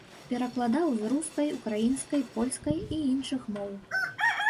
Перакладаў з рускай, украінскай, польскай і іншых моў.